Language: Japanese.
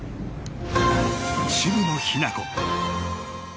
渋野日向子。